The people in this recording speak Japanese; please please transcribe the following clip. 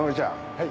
はい。